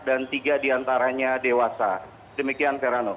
delapan orang dikabarkan meninggal dunia demikian verano